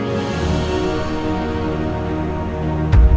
mama gak mau bantuin kamu